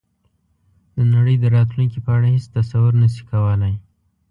د نړۍ د راتلونکې په اړه هېڅ تصور نه شي کولای.